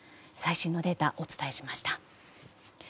最新のデータ、お伝えしました。